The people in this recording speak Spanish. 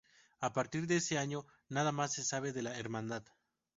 A partir de este año nada más se sabe de la hermandad.